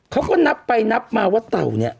เขาก็นับไปนับมาว่าเต่าเนี่ย